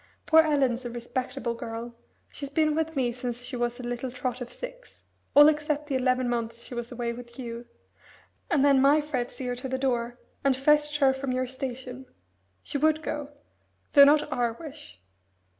Poor Ellen's a respectable girl she's been with me since she was a little trot of six all except the eleven months she was away with you and then my Fred see her to the door, and fetched her from your station. She would go though not our wish.